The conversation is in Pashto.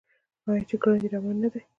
آیا چې ګړندی روان نه دی؟